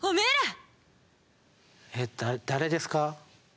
えだ誰ですか？